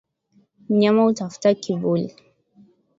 Mnyama hutafuta kivuli